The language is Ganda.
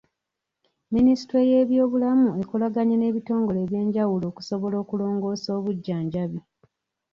Minisitule y'ebyobulamu ekolaganye n'ebitongole eby'enjawulo okusobola okulongoosa obujjanjabi.